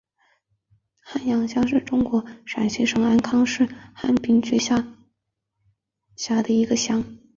早阳乡是中国陕西省安康市汉滨区下辖的一个乡。